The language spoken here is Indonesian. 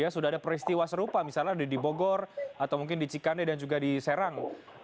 sudah ada peristiwa serupa misalnya di bogor atau mungkin di cikande dan juga di serang